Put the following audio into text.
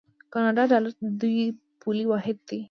د کاناډا ډالر د دوی پولي واحد دی.